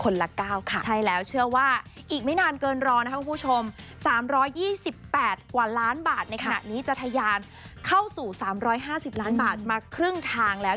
ในขณะนี้จะทะยานเข้าสู่๓๕๐ล้านบาทมาครึ่งทางแล้ว